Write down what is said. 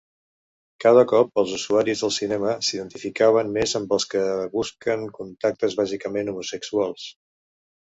Cada cop els usuaris del cinema s’identificaven més amb els que busquen contactes bàsicament homosexuals.